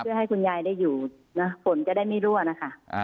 เพื่อให้คุณยายได้อยู่นะฝนจะได้ไม่รั่วนะคะ